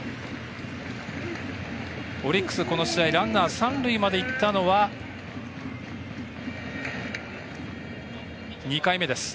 オリックス、この試合ランナー三塁まで行ったのは２回目です。